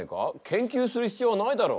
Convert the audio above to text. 研究する必要はないだろう。